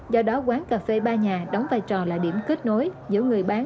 do đó quán cà phê ba nhà đóng vai trò là điểm kết nối giữa người bán